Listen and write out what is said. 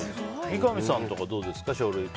三上さんはどうですか？